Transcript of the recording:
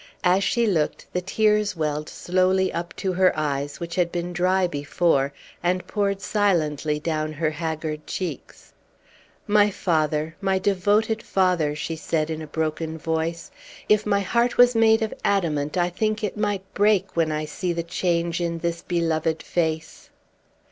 As she looked, the tears welled slowly up to her eyes, which had been dry before, and poured silently down her haggard cheeks. "My father, my devoted father," she said, in a broken voice, "if my heart was made of adamant I think it might break when I see the change in this beloved face."